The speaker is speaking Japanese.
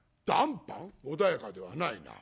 穏やかではないな。